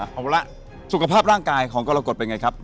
เอาละสุขภาพร่างกายของกรกฎเป็นไงครับ